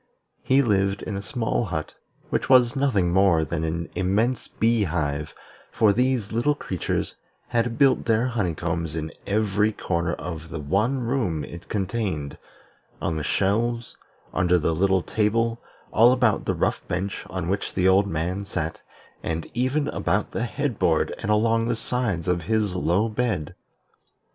He lived in a small hut, which was nothing more than an immense bee hive, for these little creatures had built their honeycombs in every corner of the one room it contained, on the shelves, under the little table, all about the rough bench on which the old man sat, and even about the head board and along the sides of his low bed.